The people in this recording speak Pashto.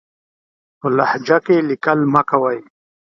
په لهجه کې ليکل مه کوئ!